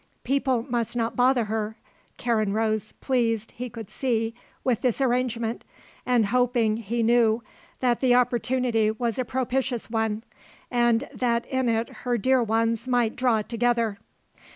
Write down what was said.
"People must not bother her," Karen rose, pleased, he could see, with this arrangement, and hoping, he knew, that the opportunity was a propitious one, and that in it her dear ones might draw together.